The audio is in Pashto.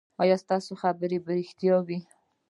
ایا ستاسو خبر به ریښتیا وي؟